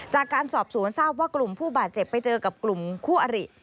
จากการสอบสวนทราบว่ากลุ่มผู้บาดเจ็บไปเจอกับกลุ่มคู่อริ